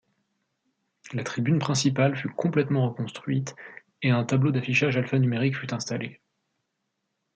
La tribune principale fut complètement reconstruite et un tableau d'affichage alphanumérique fut installé.